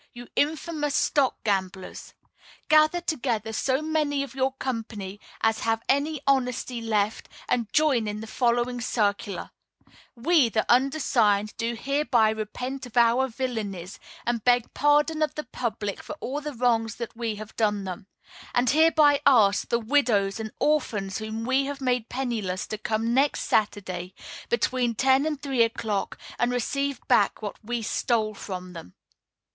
you infamous stock gamblers! Gather together so many of your company as have any honesty left, and join in the following circular: "_We the undersigned, do hereby repent of our villainies, and beg pardon of the public for all the wrongs that we have done them; and hereby ask the widows and orphans whom we have made penniless to come next Saturday, between ten and three o'clock, and receive back what we stole from them.